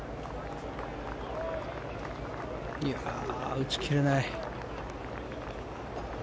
打ち切れない。